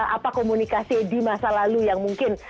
apa komunikasi di masa lalu yang mungkin